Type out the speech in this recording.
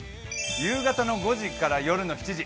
夕方の５時から夜の７時。